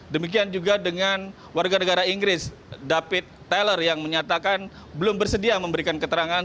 demikian juga dengan warga negara inggris david taylor yang menyatakan belum bersedia memberikan keterangan